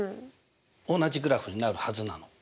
同じグラフになるはずなの。